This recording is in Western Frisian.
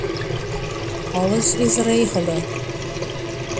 Alles is regele.